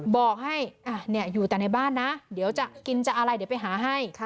บอกให้อยู่แต่ในบ้านนะเดี๋ยวจะกินจะอะไรเดี๋ยวไปหาให้